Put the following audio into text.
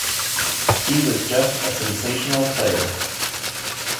He was just a sensational player.